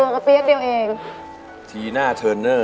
ดูกับเพียงเดียวเอง